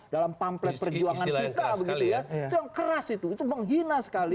dalam pamplet perjuangan kita begitu ya itu yang keras itu itu menghina sekali